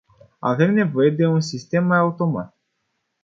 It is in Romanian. Avem nevoie de un sistem mai automat.